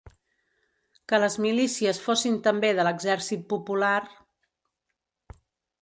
Que les milícies fossin també de l'Exèrcit Popular...